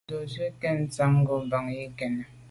Ndo’ ntshui nke ntshan ngo’ bàn yi ke yen.